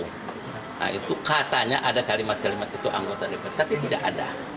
nah itu katanya ada kalimat kalimat itu anggota dpr tapi tidak ada